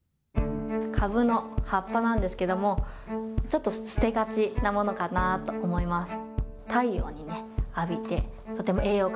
かぶの葉っぱなんですけども、ちょっと捨てがちなものかなと思います。